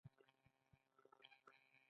آیا اصلي اوسیدونکي په اقتصاد کې ګډون نه کوي؟